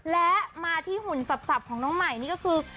และมาที่หุ่นสับของน้องใหม่นี่ก็คือ